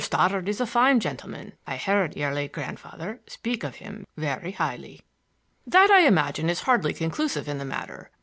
Stoddard is a fine gentleman; I heard your late grandfather speak of him very highly." "That, I imagine, is hardly conclusive in the matter.